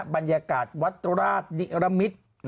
บรรยากาศวัดราชนิรมิตร